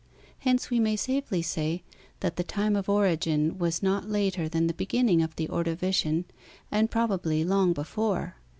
Hence we may safely say that the time of origin was not later than the beginning of the Ordovician, and probably long before.